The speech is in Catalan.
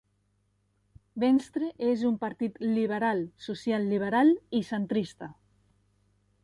Venstre és un partit liberal, social-liberal i centrista.